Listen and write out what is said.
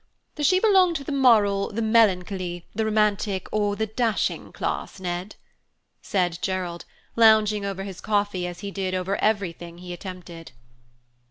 Does she belong to the moral, the melancholy, the romantic, or the dashing class, Ned?" said Gerald, lounging over his coffee as he did over everything he attempted.